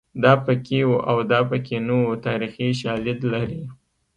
دا پکې وو او دا پکې نه وو تاریخي شالید لري